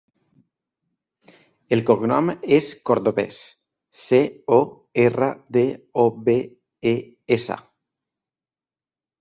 El cognom és Cordobes: ce, o, erra, de, o, be, e, essa.